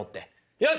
よし！